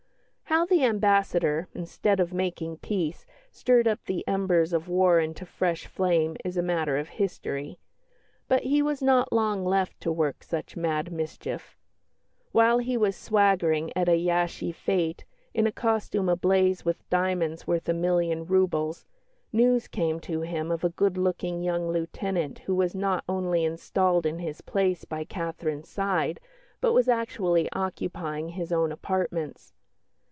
How the Ambassador, instead of making peace, stirred up the embers of war into fresh flame is a matter of history. But he was not long left to work such mad mischief. While he was swaggering at a Jassy fête, in a costume ablaze with diamonds worth a million roubles, news came to him of a good looking young lieutenant who was not only installed in his place by Catherine's side, but was actually occupying his own apartments.